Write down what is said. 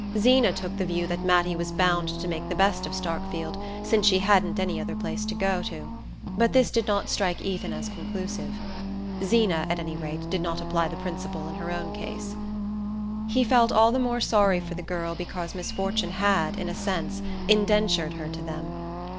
Zeena took the view that Mattie was bound to make the best of Starkfield since she hadn't any other place to go to; but this did not strike Ethan as conclusive. Zeena, at any rate, did not apply the principle in her own case. He felt all the more sorry for the girl because misfortune had, in a sense, indentured her to them.